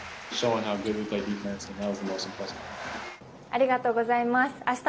ありがとうございます。